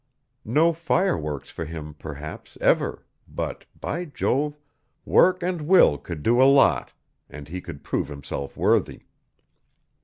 No fireworks for him, perhaps, ever, but, by Jove, work and will could do a lot, and he could prove himself worthy.